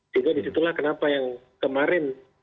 sehingga disitulah kenapa yang kemarin